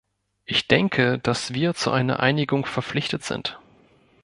Ich denke, dass wir zu einer Einigung verpflichtet sind.